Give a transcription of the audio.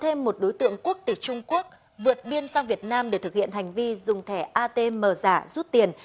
thêm một đối tượng quốc tịch trung quốc vượt biên sang việt nam để thực hiện hành vi dùng thẻ atm giả rút tiền